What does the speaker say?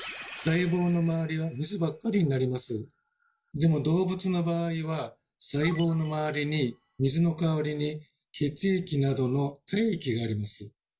でも動物の場合は細胞の周りに水の代わりに血液などの体液があります。